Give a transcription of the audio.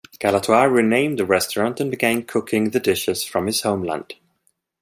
Galatoire renamed the restaurant and began cooking the dishes from his homeland.